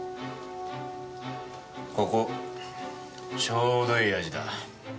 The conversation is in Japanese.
ここちょうどいい味だ。